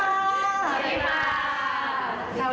สวัสดีค่ะ